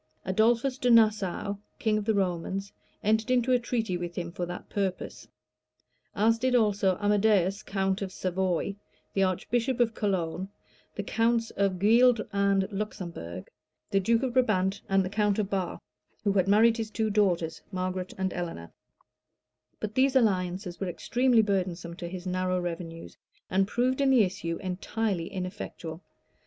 Adolphus de Nassau, king of the Romans, entered into a treaty with him for that purpose;[*] as did also Amadæus, count of Savoy, the archbishop of Cologne, the counts of Gueldre and Luxembourg; the duke of Brabant and count of Barre, who had married his two daughters, Margaret and Eleanor: but these alliances were extremely burdensome to his narrow revenues, and proved in the issue entirely ineffectual.